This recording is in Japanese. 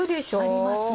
ありますね。